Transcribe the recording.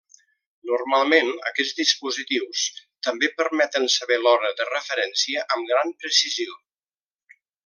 Normalment aquests dispositius també permeten saber l'hora de referència amb gran precisió.